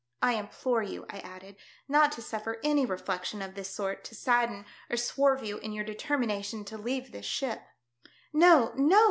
"I implore you" I added, "not to suffer any reflection of this sort to sadden or swerve you in your determination to leave this ship " "No, no!"